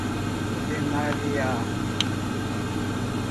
ordenar-lhe-á